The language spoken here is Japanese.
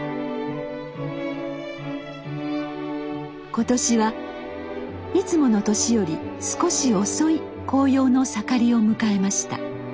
今年はいつもの年より少し遅い紅葉の盛りを迎えました。